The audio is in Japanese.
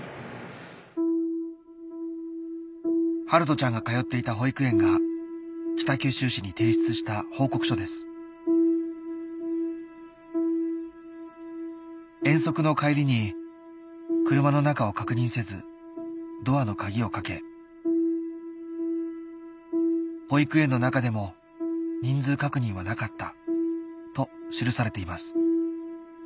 暖人ちゃんが通っていた保育園が北九州市に提出した報告書です「遠足の帰りに車の中を確認せずドアの鍵をかけ保育園の中でも人数確認は無かった」と記されています